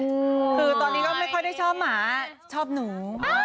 คือตอนนี้ก็ไม่ค่อยได้ชอบหมาชอบหนู